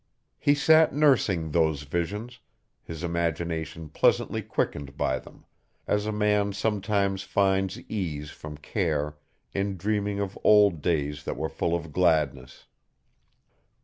He sat nursing those visions, his imagination pleasantly quickened by them, as a man sometimes finds ease from care in dreaming of old days that were full of gladness.